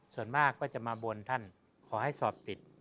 ส่วนมากก็จะมาบนท่านขอให้สอบติด